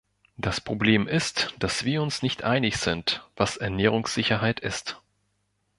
Das Problem ist, dass wir uns nicht einig sind, was Ernährungssicherheit ist.